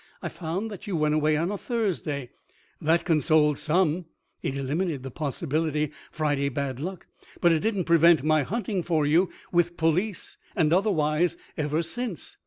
I found that you went away on a Thursday. That consoled some; it eliminated the possible Friday bad luck. But it didn't prevent my hunting for you with police and otherwise ever since!